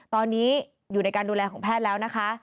ตอนนี้อยู่ในการดูแลของแพทย์แล้วนะคะ